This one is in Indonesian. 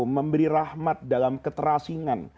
memberi rahmat dalam keterasingan